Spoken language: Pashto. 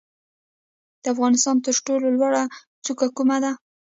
د افغانستان تر ټولو لوړه څوکه کومه ده؟